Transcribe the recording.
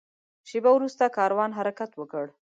شېبه وروسته کاروان حرکت وکړ.